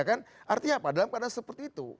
artinya apa dalam keadaan seperti itu